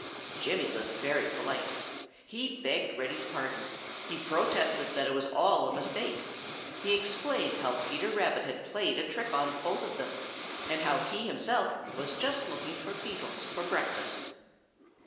Jimmy was very polite. He begged Reddy's pardon. He protested that it was all a mistake. He explained how Peter Rabbit had played a trick on both of them, and how he himself was just looking for beetles for breakfast.